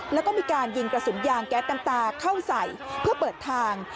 แล้วก็มีการยิงกระสุนยางแก๊สน้ำตาเข้าใส่เพื่อเปิดทาง